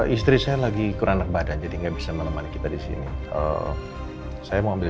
istri saya lagi kurang badan jadi nggak bisa melembani kita disini saya mau ambil